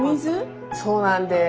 そうなんです。